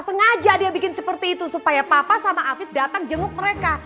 sengaja dia bikin seperti itu supaya papa sama afif datang jenguk mereka